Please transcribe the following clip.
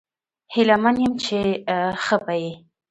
هیله مند یم چې ښه به یې